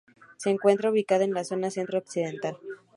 Se encuentra ubicada en la zona centro-occidental.